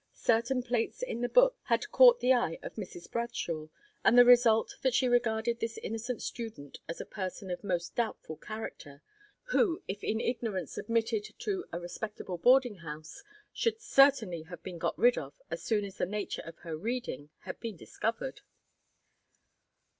Certain plates in the book had caught the eye of Mrs. Bradshaw, with the result that she regarded this innocent student as a person of most doubtful character, who, if in ignorance admitted to a respectable boardinghouse, should certainly have been got rid of as soon as the nature of her reading had been discovered.